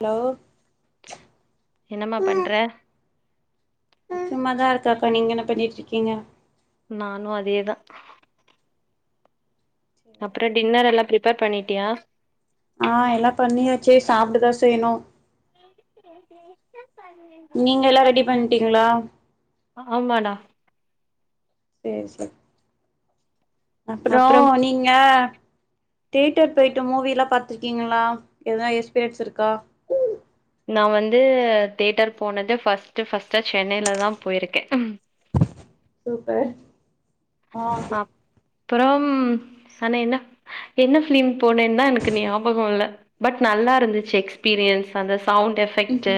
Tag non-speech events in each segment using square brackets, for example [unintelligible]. Hello என்னம்மா பண்ற சும்மாதா இருக்கங்கா நீங்க என்ன பண்ணிட்டு இருக்கீங்க நானு அதே தா அப்புறோ டின்னர் எல்லா ப்ரிப்பேர் பண்ணிட்டியா ஆ எல்லா பண்ணியாச்சு சாப்புடுதா செய்யணூ ஏன் டீ நீங்க எல்லா ரெடி பண்டீங்ளா ஆமாணா சேர் சேரி அப்புறோ அப்றம் நீங்க ஏ தேட்டர் போய்ட்டு மூவிலா பாத்துருக்கீங்களா எதுனா எக்ஸ்பீரியன்ஸ் இருக்கா நா வந்து த்யோட்டர் போனது ஃபஸ்ட்டு ஃபஸ்ட்டு சென்னையில தா போயிருக்கே சூப்பர் ஆ அப்புறோ சொன்ன என்னப் என்ன ஃபிலிம் போனேன்னு தா எனக்கு ஞாபகம் இல்ல பட் நல்லா இருந்துச்சு எக்ஸ்பீரியன்ஸ் அந்த சவுண்ட் எஃப் க்ட்டு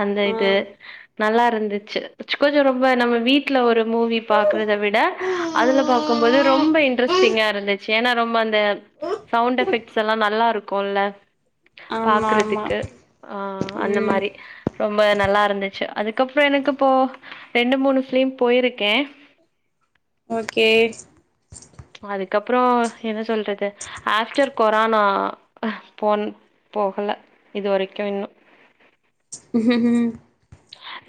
அந்த ஆ இது நல்லா இருந்துச்சு கொஞ்சொ ரொம்ப நம்ம வீட்ல ஒரு மூவி பாக்குறத விட அதுல பாக்கும்போது ரொம்ப இன்ட்ரெஸ்டிங்கா இருந்துச் ஏன்னா ரொம்ப அந்த சவுண்ட் எஃபெக்ட்ஸ்ல்லா நல்லா இருக்கூல்ல ஆமா ஆமா பாக்குறதுக்கு ஆ அந்த ம் மாரி ஒரு மாரி நல்லா இருந்துச்சு அதுக்கப்புறோ எனக்கு இப்போ ரெண்டு மூணு ஃபிலீம் போயிருக்கேன் ஓகே அதுக்கப்றோ என்ன சொல்றது ஆஃப்டர் கொரோனா ஃபோன் போகல இதுவரைக்கு இன்னு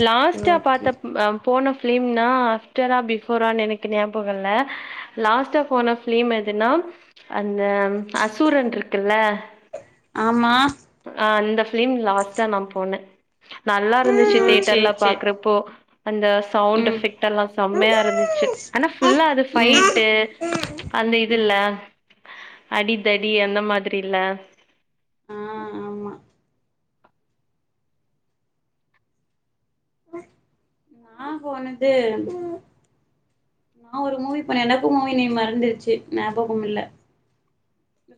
லாஸ்ட்டா ஓகே பாத்த ம் அ ம் போன ஃபிலிம்னா ஆஃப்டரா பிஃபோரானு எனக்கு ஞாபகோ இல்ல லாஸ்ட்டா போன ஃப்லீம் எதுன்னா அந்த அசூரன்ட்ருக்குல்ல ஆமா அ அந்த ஃப்லிம் லாஸ்ட்டா நா போனே நல்லா இருந்துச்சு ஓ சேரி சேரி இப்போ அந்த சவுண்ட் ம் எஃபெக் எல்லா ம் செம்மையா இருந்துச்சு ஆனா ஃபுல்லா அது ஃபைட் டு அந்த ம் இதுல்ல அடிதடி அந்த ஆமா மாத்ரி இல்ல ஆ ஆமா நா போனது நா ஒரு மூவி போனே எனக்கு மூவி நேம் மறந்துருச்சு ஞாபகம் இல்ல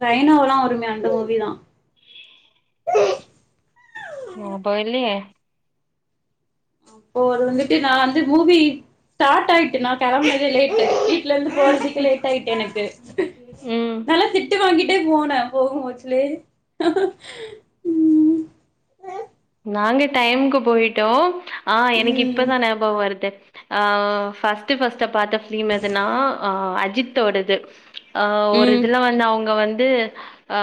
ரெய்னோல்லா வருமே அந்த மூவி தா ஓ அப்ப இல்லியே அப்போ வந்துட்டு நா வந்து மூவி ஸ்டாட் ஆயிட்டு நா கெளம்பனுதே லேட்டு வீட்லருந்து போறதுக்கு லேட் ஆயிட்டு எனக்கு ம் நல்லா திட் டு வாங்கிட்டே போனே போகு [unintelligible] நாங்க டைம்க்கு போயிட்டோ ஆ எனக்கு ம் இப்பதான பகோ வருது அ ஃபஸ்ட்டு ஃபஸ்ட்டா பாத்த ஃபிலிம் எதுனா ஆ அஜித்தோடது அ ஒரு ம் இதுல வந்து அவுங்க வந்து ஆ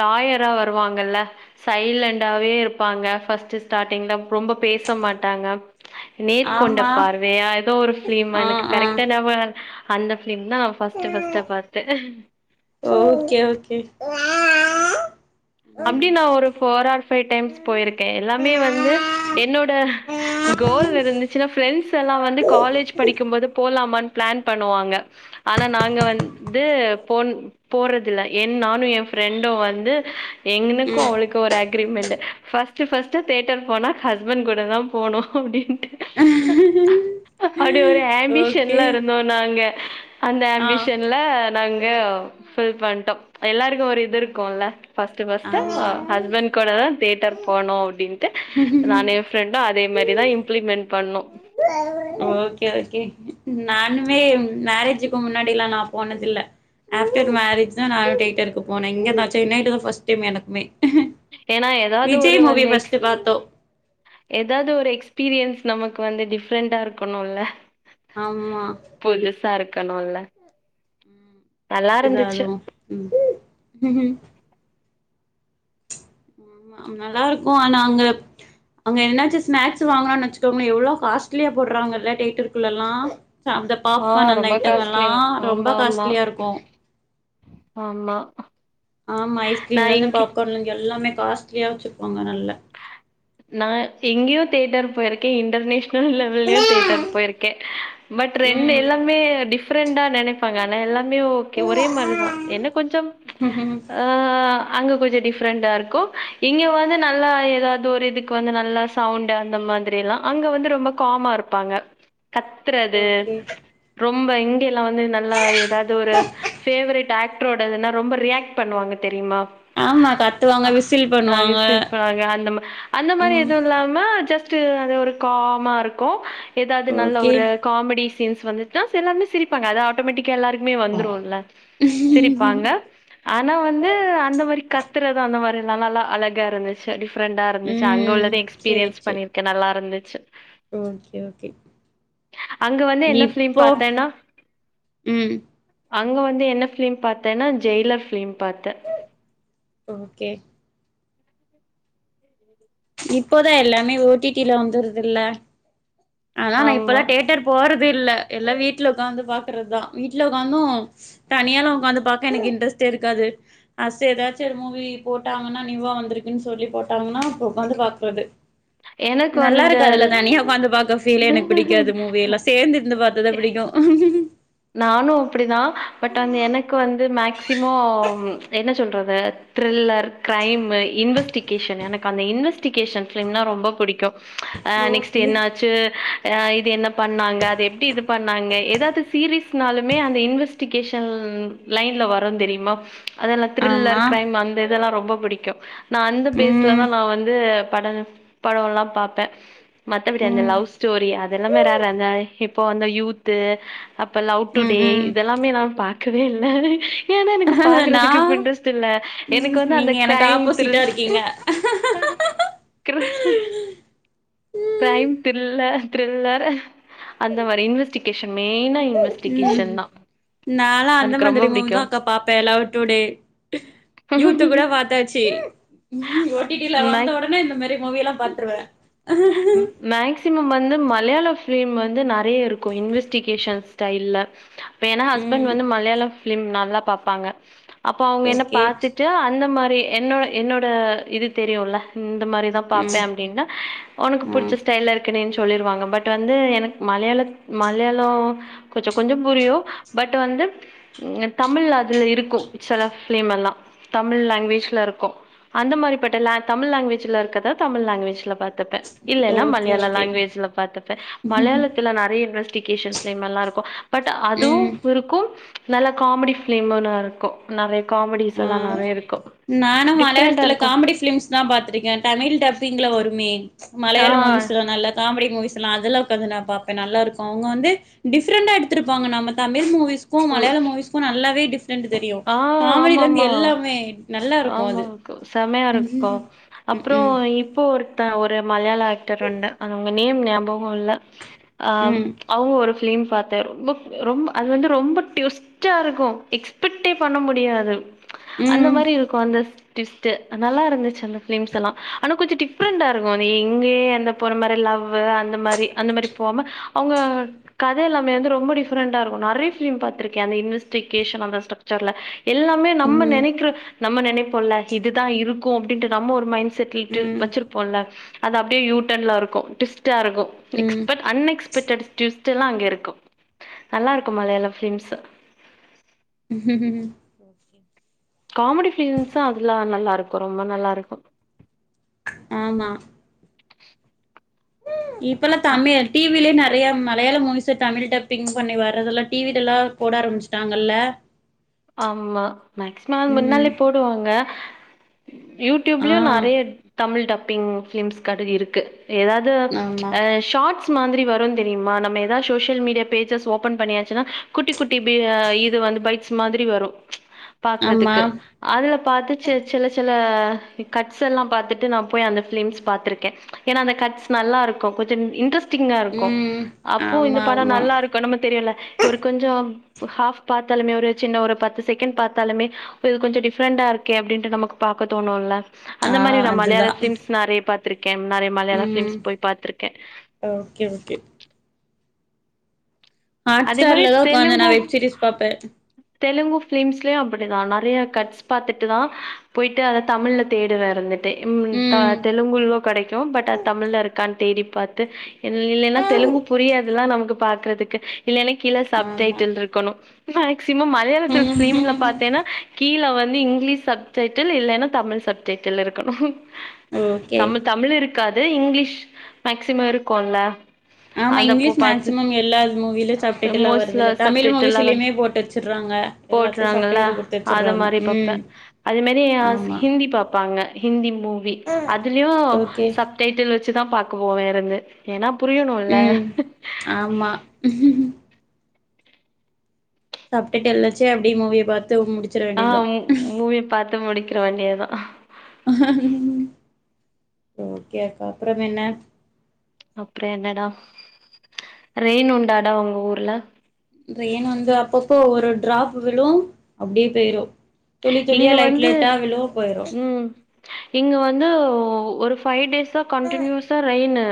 லாயரா வருவாங்கல்ல சைலண்டண்டாவே இருப் பாங்க ஃபஸ்ட்டு ஸ்டாடிங்ல ரொம்ப பேச மாட்டாங்க நேற்கொண்ட ஆமா பார்வையா எதோ ஒரு ஃப்லிமா ஆ எனக்கு ஆ கரெக்டா ஞாப அந்த ஃபிலிம் தா ஃபஸ்ட்டு ஃபஸ்டா பாத்தே ஓகே ஓகே அப்டி ம் நா ஒரு ஃபோர் ஆர் ஃபைவ் டைம்ஸ் போயிருக்கே எல்லாமே வந்து என்னோட கோல் இருந்துச்சுன்னா ஃப்ரெண்ஸ் எல்லா வந்து காலேஜ் படிக்கும்போது போலாமான் ப்ளான் பண்ணுவாங்க ஆனா நாங்க வந்து போன் போறதில்ல என் நானு எ ஃப்ரெண்டு வந்து எங்கனுக்கு அவளுக் கு ஒரு அக்ரிமெண்ட்டு ஃபஸ்ட்டு ஃபஸ்ட்டு தேட்டர் போனா ஹஸ்பண்ட் கூட தா போனு அப்டின்ட்டு ம் அப்டி ஒரு ஓகே ஆம்பிஷன்லா இருந்தோ நாங்க அந்த ஆ ஆம்பிஷன் ல நாங்க ஃபில் பண்ட்டோ எல்லாருக்கு ஒரு இது இருக்குல்ல ஃப ஸ்ட்டு ஃபஸ்ட்டா ஆமா ஹஸ்பண்ட் கூட தா தியேட்டர் போனோ அப்டின்ட்டு நானு ஃப்ரண்டு அதே மாரிதா இம்ப்ளிமெண்ட் பண்ணோ ச ஓகே ஓகே நானுமே மேரேஜுக்கு முன்னாடி எல்லா நா போனதில்ல ஆப்டர் மேரேஜ் தா நானு டேட்டருக்கு போனே இங்க தா சென்னைட்டு தா ஃப்ஸ்ட் டைம் எனக்குமே ஏன்னா ஏதாவது விஜய் மூவி ஃபஸ்ட்டு பாத்தோ எதாவ்து ஒரு எக்ஸ்பீரியன்ஸ் நமக்கு வந்து டிஃப்ரெண்டா இருக்கணுல்ல ஆமா புதுசா இருக்கணுல்ல ம் கரெட்டு தா அதுவு ம் ஆமா நல்லா இருக்கு ஆனா அங்க அங்க என்னாச்சு ஸ்நாக்ஸ் வாங்குறோன் வச்சுக்கோங்க எவ்ளோவு காஸ்ட்லியா போடுறாங்கல்ல டேட்டுருக்குள்ளல்லாம் அந்த ஆ பாப்கான் அந்த ரொம்ப ஐட்டம் காஸ்ட்லி. எல்லாம் ரொம்ப ஆமா, ஆமா, காஸ்ட்லியா இருக்கும் ஆமா ஆமா ஐஸ்கிரீம்ல நான் இருந்து இங்கி பாப்கான்ல இருந்து எல்லாமே காஸ்ட்லியா வச்சுப்பாங்க நல்ல நா எங்கயோ தேட்டர் போயிருக்கேன் இன்டர்நேஷ் னல் லெவல்லயு தேட்டர் போயிருக்கேன் பட் ரெண்டு ம் எல்லாமே டிஃப்ரெண்டா நினைப் ப்பாங்க ஆனா எல்லாமே ஓகே ஒரே மாரிதான் என்ன கொஞ்சம் ஆ அங்க கொஞ்சம் டிஃப்ரெண்ட்டா இருக்கும் இங்க வந்து நல்லா ஏதாவது ஒரு இதுக்கு வந்து நல்லா சவுண்ட் அந்த மாதிரி எல்லாம் அங்க வந்து ரொம்ப காமா இருப்பாங்க கத் த்துறது ஓகே ரொம்ப இங்கிலா வந்து நல்லா ஏதாவது ஒரு பேவரெட் ஆக்டரோடனா ரொம்ப ரியாக்ட் பண்ணுவாங்க தெரியுமா ஆமா கத்துவாங்க விசில் நறையா பண்ணுவாங்க சிரிப்பாங்க அந்த ம அந்த மாரி ம் எதுவும் இல்லாம ஜஸ்ட் அது ஒரு காமா இருக்கும் ஏதாவது நல்ல ஒரு காமெடி சீன்ஸ் வந்துட்டா எல்லாருமே சிரி ப்பாங்க ஆட்டோமேட்டிக்கா எல்லாருக்குமே வந்துரும்ல்ல சிரிப்பாங்க ஓகே ஆனா வந்து அந்த மாரி கத்துறதும் அந்த மாதிராம்ல்லாம் அழகா இருந்துச்சு டிஃப்ரெண்டா இரு துச்சு அங்க ம் உள்ளது சேரி எக்ஸ்பீரியன்ஸ் சேரி பண்ணிருக்கேன் நல்லா இருந்துச்சு ஓகே ஓகே அங்க வந்து என்ன பிலிம் இப்போ பாத்தேன்னா ம் அங்க வந்து என்ன ஃபிலிம் பார்த்தேன்னா ஜெய்லர் பிலிம் பார்த்தேன் ஓகே [inaudible] இப்போதான் எல்லாமே ஓடிட்டில வந்துருதுல்ல அதா நான் ஆமா இப்பல்லாம் தேட்டர் போறது இல்ல எல்லா வீட்ல உட்காந்து பாக்குறதுதான் வீட்ல உட்க்காந்தும் தனியால உட்கந்து பாக்க எனக்கு இன்ட்ரஸ்டே இருக்காது அஸ்சு ஏதாச்சும் ஒரு மூவி போட்டாங்கன்னா நீயூவா வந்திருக்குன்னு சொல்லி போ ட்டோம்னா அப்போ உக்காந்து பாக்குறது எனக்கு வந்து நல்லா இருக்காதுல தனியா வீட்ல உட்காந்து பாக்குற பீலே எனக்கு இந்த பிடிக்காது மூவி எல்லாம் சேர்ந்த இருந்து பார்த்தாதான் புடிக்கும் நானும் அப்டிதான் பட் வந்து எனக்கு வந்து மேக்சிமம் என்ன சொல்றது த்ரில்லர் கிரைமு இன்வெஸ்டிகேஷன் எனக்கு அந்த இன்வெஸ்டிகேஷன் ஃபிலிம்னா ரொம்ப புடிக்கும் அ நெக்ஸ்ட் ஓகே என்னாச்சு அ இது என்ன பண்ணாங்க அது எப்டி இது பண்ணாங்க ஏதாவது சீரிஸ்னாலுமே அந்த இன்வெஸ்டிகேஷன் லைன்ல வரும் தெரியுமா அதெல்லாம் த்ரில்லர் ஆமா கிரைம் அந்த இதெல்லாம் ரொம்ப புடிக்கும் நான் அந்த ம் பேஸ்லதான் நான் வந்து பட படம்ல்லாம் பார்ப்பேன் மத்தபடி அந்த ம் லவ் ஸ்டோரி அதெல்லாம் வேற‌ யார் அந்த இப்போ அந்த யூத்து அப்ப லவ் ம் டுடே ம் இதெல்லாமே நான் பாக்கவே இல்ல ஏன்னா எனக்கு நா பாக்குறதுக்கு இப்ப இன்ட்ரெஸ்ட் இல்ல எனக்கு ம் வந்து அந்த நீங்க எனக்கு கிரைம் ஆப்போசிட்டா த்ரில் இருக்கீங்க திரில் கிரைம் திரில்லர் தரில்லர் அந்த மாரி இன்வெஸ்டிகேஷன் மெயினா இன்வெஸ்டிகேஷன் தான் நானும் அந்த மாதிரி மூவி தான் உட்காந்து பாப்பே லவ் டுடே யூத்து கூட பாத்தாச்சு ஓ டி டி ல வந்த உடனே இந்த மாரி மூவியெல்லாம் பாத்துருவேன் மேக்சிமம் வந்து மலையாள பிலிம் வந்து நிறைய இருக்கும் இன்வெஸ்டிகேஷன் ஸ்டைல்ல [inaudible] வேனா ஹஸ்பண்ட் ம் வந்து மலையாளம் பிலிம் நல்லா பார்ப்பாங்க அப்போ அவுங்க என்ன ஓகே பார்த்துட்டு ஜா அந்த மாரி என்னோட என்னோட இது தெரியுல்ல இந்த மாரிதா பாப்பே ம் அப்டின்னா உனக்கு புடிச்ச ம் ஸ்டைல்ல இருக்குனே சொல்லிருவாங்க பட் வந்து எனக் மலையாள மலையாளோ கொஞ்ச கொஞ்ச புரியு பட் வந்து தமிழ் அதுல இருக்கு சில ஃபிலிம் எல்லா தமிழ் லாங்குவேஜ்ல இருக்கு அந்த மாரிப்பட்டல தமிழ் லாங்குவேஜ்ல இருக்கற்த தமிழ் லாங்குவேஜ்ல பாத்துப்பே இல்லேல்லா ஓகே மலையாள ஓகே லாங்குவேஜ்ல பாத்துப்பே மலையாளத்துல நெறைய இன்வெஸ்டிகேஷன் ஃபிலிமெல்லா இருக்கு பட் அதுவு ம் இருக்கு நல்ல காமெடி ஃபிலிம்முலா இருக்கு நெறைய காமெடிஸ் ஆ எல்லா நெறைய இருக்கு டிஃப்ரெண்டா இருக்கு நா பாத்திருக்கே தமிழ் டப்பிங்க வருமே ஆ மலையாள மூவிஸ்லா நல்லா காமெடி மூவிசெல்லா அதெலா உக்காந்து நா பாப்பே நல்லாருக்கு அவுங்க வந்து டிஃப்ரெண்டா எடுத்திருப்பாங்க நம்ம தமிழ் மூவிஸ்க்கு ஓ மலையாள மூவிஸ்க்கு நால்லாவே டிஃப்ரெண்ட் தெரியு ஆ காமெடில ஆமா இருந்து ஆமா எல்லாமே நல்லா இருக்கு அது ஆமாங் கா செமையா இருக்கு ம் ம் அப்றோ ம் இப்போ ஓர் த ஒரு மலையாள ஆக்டர் உண்டு அது அவங்க நேம் ஞாபகோ இல்ல அ அவங்க ஒரு ஃபிலிம் பாத்தே ரொம்ப ரொம்ப அது வந்து ரொம்ப டுயிஸ்ட்டா இருக்கு எக்ஸ் டே பண்ண முடியாது அந்த ம் மாரி இருக்கு அந்த ட்விஸ்டு அத் நல்லா இருந்துச்சு அந்த ஃபிலிம்ஸ் எல்லா ஆனா கொஞ்ச டிஃப்ரெண்ட்டா இருக்கு எங்கயே அந்த போற மாரி லவ்வு அந்த மாரி அந்த மாரி போகாம அவுங்க கத எல்லாமே வந்து ரொம்ப டிஃபரெண்டா இருக்கு நெறைய ஃபிலிம் பாத்திருக்கே அந்த இன்வெஸ்டிகேஷன் அந்த [unintelligible] எல்லாமே நம்ம ம் நெனைக்கற நம்ம நினைப்போல்ல இதுதா இருக்கு அப்டின்ட்டு நம்ம ஒரு மைண்ட் செட்டில்டு வெச்சிருப்போல்ல அது அப்டியே யூட்டன்ல இருக்கு டிவிஸ்ட்டா இருக்கு ம் அன் எக்ஸ்பெக்டட் டுவிஸ்டெல்லா அங்க இருக்கு நல்லா இருக்கு மலையாள ஃபிலிம்ஸ்சு ம் ம் ஓகே காமெடி ஃபிலிம்ஸ்சு அதுல நல்லா இருக்கு ரொம்ப நல்லா இருக்கு ஆம்மா இப்பெல்லா தமி டி வி ல்லயே நெறைய மலையாள மூவிஸ் சு தமிழ் டப்பிங் பண்ணி வரதெல்லா டி வி ல எல்லா போட ஆரம்பச்சுட்டாங்கல்ல ஆம்மா மேக்சிமம் ம் முன்னாலே போடுவாங்க ஆ யூடியூப்லயு நெறைய தமிழ் டப்பிங் பிலிம்ஸ் கதை இருக்கு ஏதாவத் து ஆமா அ ஷாட்ஸ் மாத்ரி வரு தெரியுமா நம்ம ஏதா சோசியல் மீடியா பேஜஸ் ஓபன் பண்ணியாச்சுனா குட்டி குட்டி பி இது வந்து பைட்ஸ் மாத்ரி வரு ஆமா பாக்குறதுக்கு அதுல பாத்து சே சின்ன சின்ன கட்ஸ் எல்லா பாத்துட்டு நா போய் அந்த ஃபிலிம்ஸ் பாத்துருக்கே ஏன்னா அந்த கட்ஸ் நல்லா இருக்கு கொஞ்ச இன்ட்ரெஸ்டிங்கா இருக்கு ம் அப்போ இந்த ஆமா படோ ஆமா நல்லா இருக் [unintelligible] தெரியுல ஒரு கொஞ்சோ ஹாஃப் பாத்தாலுமே ஒரு சின்ன ஒரு பத்து செகண்ட் பாத்தாலுமே இது கொஞ்ச டிஃப்ரெண்டா இருக்கே அப்டின்ட்டு நமக் பாக்க தோணுல்ல ஆ அந்த மாரி நா மலையாள அதுதான் ஃபிலிம்ஸ் நெறைய பாத்திருக்கே நெறைய மலையாள பிலிம்ஸ் போய் பாத்திருக்கே அ ஓகே ஓகே ஹாட் அதே மாரி ஸ்டார்ல தா உக்காந்து நா தெலுங்கு வெப் சீரிஸ் பாப்பே தெலுங்கு ஃபிலிம்ஸ்லயு அப்டிதா நெறைய கட்ஸ் பாத்துட்டு தா போயிட்டு அத தமிழ்ல தேடுவே ஆரம்பி ம் [unintelligible] தெலுங்குலயு கெடைக்கு பட் அது தமிழ்ல இருக்கான் தேடி பாத்து இல்லலேனா தெலுங்கு புரியாதுல்லா நமக்கு பாக்குறதுக்கு இல்லனா கீழ ஆமா சப்டைட்டில் இருக்கணு மேக்சிமம் மலையாளத்துல பிலிம்ல ம் பாத்தேன்னா கீழ வந்து இங்கிலீஷ் சப்டைடில் இல்லேனா தமிழ் சப்டைடிலு இருக்கணு ஓகே தமிழ் தமிழ் இருக்காது இங்கிலீஷ் மேக்சிம இருக்குல ஆமா இங்கிலீஷ் மேக்சிமம் எல்லார் மூவில சப்டைடிலா மோஸ்ட்ல வருதுல தமிழ் சப்டைட்டில்லா மூவிஸ்லியுமே வந்து போட்டு வெச்சுற்றாங்க எல்லாத்திலியு போட்றாங்கல்ல சப்டைடில் குடுத்து அத வெச்சிற்றாங்க மாரி பாப்பே ம் அது மேரி அ ஆமா ஹிந்தி பாப்பாங்க ஹிந்தி மூவி அதுலியு ஓகே சப் டைட்டில் வெச்சுதா பாக்குவோ வேரது ஏனா புரியணுல ம் ஆமா ம் சப்டைடில்லவெச்சு அப்டியே மூவிய பாத்து முடிச்சிர ஆ வேண்டியதா மூவி பாத்து முடிக்கிற வேண்டிய தா ஓகே அக்கா அப்புறம் என்ன அப்புற என்னடா ரெயின் உண்டாடா உங்க ஊர்ல ரெயின் வந்து அப்பப்போ ஒரு டிராப்பு விழு அப்டி பேய்ரு துளி துளியா இங்க லைட் வந்து லைட்டா விழு போயிரு ம் இங்க வந்து ஒரு ஃபைவ் டேஸ்ஸா கண்டினியுஷா ரெயினு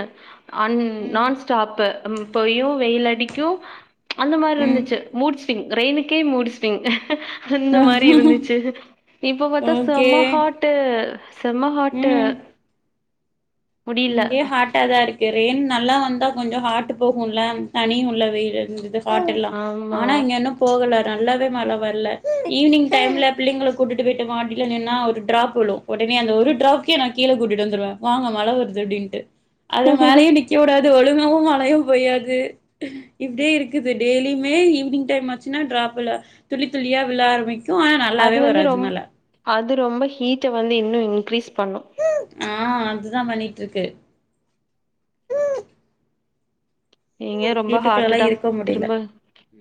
அன் ம் நான் ஸ்டாப்பு இப்பயு வெயில் அடிக்கு அந்த ம் மார்ருந்துச்சு மூட்ஸிவிங் ரெய்னுக்கே மூட்ஸிவிங் அந்த மாரி இருந்துச்சு இப்ப பாத்தா ஓகே செம ஹாட்டு செம ஹாட்டு முடில இங்கியு ஹாட் அதா இருக்கு ரெயின் நல்லா வந்தா கொஞ்ச ஹாட்டு போகுல தனி உள்ள வெயிலுந்து ஹாட்டில்லா ஆமா ஆனா இங்க இன்னு போகல நல்லாவே மழ வரல ஈவினிங் டைம்ல் பிள்ளைங்கள கூட்டிட்டு போயிட்டு மாட்டில நின்னா ஒரு ட்ராப் விழு ஒடனே அந்த ஒரு டிராப்கே நா கீழ கூட்டிட் வந்துடுவ வாங்க மழ வர்து அப்டின்ட்டு அது மேலய நிக்க உடாது ஒழுங்காவு மழயு பொய்யாது இப்டியே இருக்குது டெய்லியுமே ஈவினிங் டைம் வன்ச்சுனா ட்ராப்புல துளி துளியா விழ ஆரம்பிக் அது வந்து ரொம் அது ரொம்ப ஹீட்ட வந்து இன்னு இன்கிரீஸ் பண்ணு ஆ அதுதா பண்ணிட்ருக்கு இங்க ரொம்ப வீட்டுக்குள்ளலா ஹாட்டுடா இருக்க முடில திரும்ப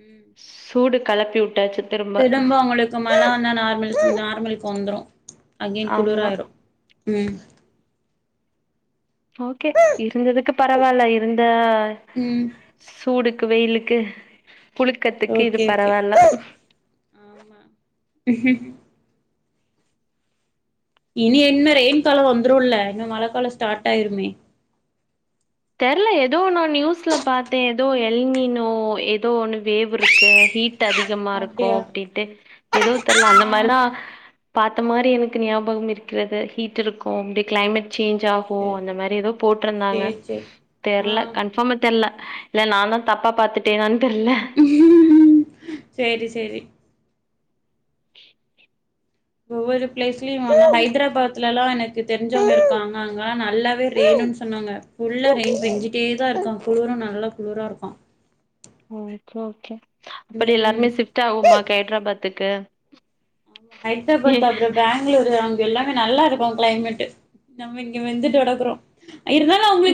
ம் சூடு களப்பி வுட்டாச்சு திரும்ப உங்களுக்கு மழ வந்தா நார்மல் நார்மலுக்கு வந்துரு அகென் ஆமா குளிராயிரு ம் ஓகே இருந்ததுக்கு பரவால்ல இருந்த ம் சூடுக்கு வெயிலுக்கு புளுக்கத்துக்கு இது ஓகே ஓகே பரவால்ல ஆமா இனி என்ன ரெயின் கால வந்துருல இன்னு மழ கால ஸ்டார்ட் ஆயிருமே தெர்ல ஏதோன்னு நியூஸ்ல பாத்தே ஏதோ எல் நினோ ஏதோ ஒன்று வேவ் இருக்கு ஹீட் டு அதிகமா இருக்கு அப்டியா அப்டின்ட்டு ஏதோ தெர்ல அந்த ஆ மார்தா பாத்த மாரி எனக்கு ஞாபகம் இருக்கிறது ஹீட் இருக்கு அப்டி ம் கிளைமேட் சேஞ்ச்சாகு ஓ சேரி அந்தமேரி ஏதோ போட்ருந்தாங்க சேரி சேரி ஆ தெர்ல கன்ஃபாமா தெர்ல இல்ல நாந்தா தப்பா பாத்துட்டேனான் தெர்ல சேரி சேரி ஒவ்வொரு பிளேஸ்லியு வந்து ஹைதராபாத்துலலா எனக்கு தெரிஞ்சவங்க இருக்காங்க அங்கல்லா நல்லாவே ரெய்னுன் சொன்னாங்க ஃபுல்லா ரெயின் பெஞ்சிட்டே தா இருக்கா குளுரு நல்லா குளுரா இருக்கா அப்டி எல்லாருமே ம் ஷிஃப்ட் ஆகுவோமா ஹைதராபாத்துக்கு ஆயத்த பாத் அபர பேங் பெங்களூரு அங்க எல்லாமே நல்லா இருக்கும் கிளைமட் நம்ம இங்க வந்துட்டுக்கடக்குறோ இருந்தாலு அவங்களுக்கு